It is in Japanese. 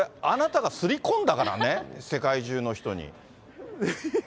もうそれ、あなたが刷り込んだからね、世界中の人に。